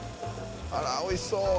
「あら美味しそう」